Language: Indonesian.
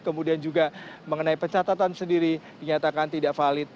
kemudian juga mengenai pencatatan sendiri dinyatakan tidak valid